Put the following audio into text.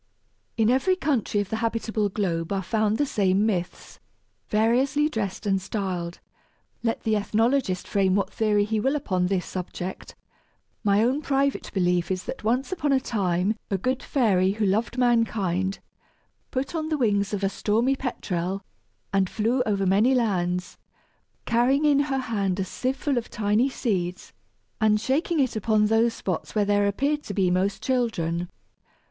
In every country of the habitable globe are found the same myths, variously dressed and styled. Let the ethnologist frame what theory he will upon this subject, my own private belief is that once upon a time a good fairy who loved mankind put on the wings of a stormy petrel and flew over many lands, carrying in her hand a sieve full of tiny seeds, and shaking it upon those spots where there appeared to be most children.